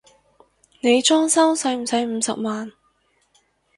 你裝修駛唔駛五十萬？